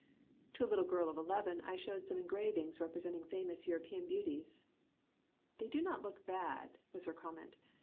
To a little girl of eleven I showed some engravings representing famous European beauties. "They do not look bad," was her com ment.